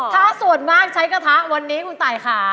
ถ้าส่วนมากใช้กระทะวันนี้คุณตายค่ะ